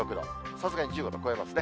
さすがに１５度超えますね。